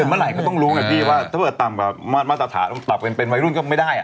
เกิดเมื่อไหร่ก็ต้องรู้ไงพี่ถ้าเกิดตามมาตรฐาตรับเป็นวัยรุ่นก็ไม่ได้